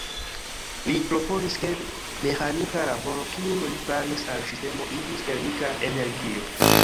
Li proponis ke meĥanika laboro, kiun li faris al sistemo, iĝis "termika energio".